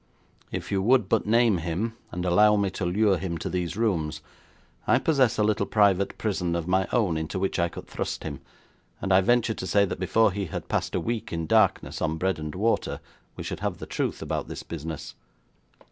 If you would but name him, and allow me to lure him to these rooms, I possess a little private prison of my own into which I could thrust him, and I venture to say that before he had passed a week in darkness, on bread and water, we should have the truth about this business.'